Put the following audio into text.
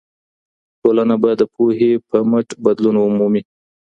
ټولنه به د پوهي په مټ بدلون ومومي.